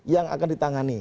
yang akan ditangani